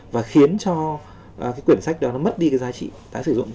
và khiến cho quyển sách đó mất đi giá trị tái sử dụng